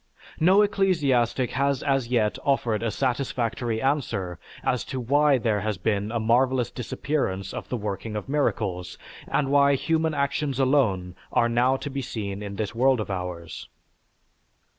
No ecclesiastic has as yet offered a satisfactory answer as to why there has been a marvelous disappearance of the working of miracles, and why human actions alone are now to be seen in this world of ours.